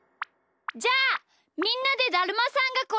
じゃあみんなでだるまさんがころんだをしよう！